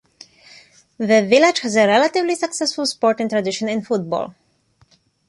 The village has a relatively successful sporting tradition in football.